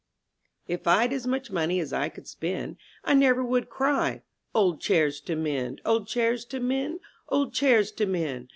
TF Vd as much money as I could spend, ■*• I never would cry^, 01d chairs to mend, Old chairs to mend, old chairs to mend!'